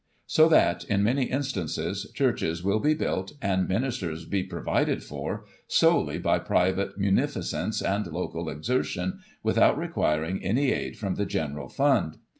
So that, in many instances, churches will be built, and ministers be provided for, solely by private munificence and local exertion, without requiring any aid from the general fund.